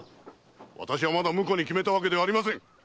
私はまだ婿に決めたわけではありません。